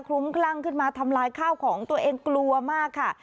ลุ้มคลั่งขึ้นมาทำลายข้าวของตัวเองกลัวมากค่ะ